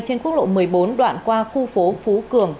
trong đoạn qua khu phố phú cường